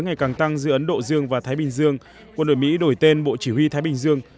ngày càng tăng giữa ấn độ dương và thái bình dương quân đội mỹ đổi tên bộ chỉ huy thái bình dương